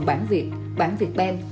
bản việt bản việt bank